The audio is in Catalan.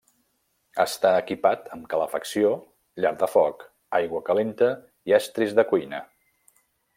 Està equipat amb calefacció, llar de foc, aigua calenta i estris de cuina.